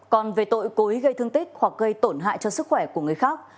còn về tội cố ý gây thương tích hoặc gây tổn hại cho sức khỏe của người khác